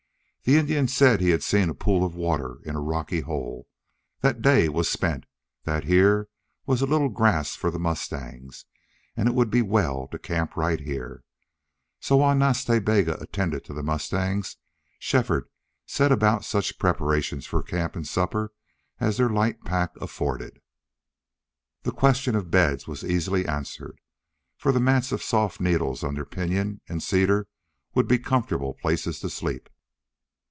The Indian said he had seen a pool of water in a rocky hole, that the day was spent, that here was a little grass for the mustangs, and it would be well to camp right there. So while Nas Ta Bega attended to the mustangs Shefford set about such preparations for camp and supper as their light pack afforded. The question of beds was easily answered, for the mats of soft needles under pinyon and cedar would be comfortable places to sleep.